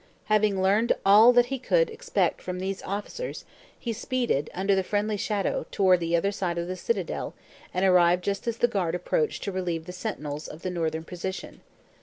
Having learned all that he could expect from these officers, he speeded, under the friendly shadow, toward the other side of the citadel, and arrived just as the guard approached to relieve the sentinels of the northern postern.